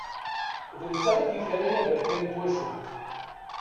D netta i d ikerri aberkan n twacult.